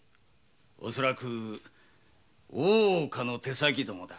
恐らく大岡の手先だ。